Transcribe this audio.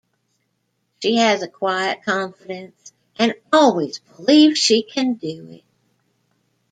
She has a quiet confidence and always believes she can do it.